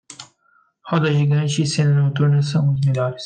Roda gigante e cena noturna são os melhores